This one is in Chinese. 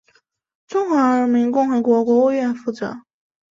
中华人民共和国国务院负责。